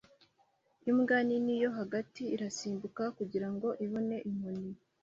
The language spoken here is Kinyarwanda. Imbwa nini yo hagati irasimbuka kugirango ibone inkoni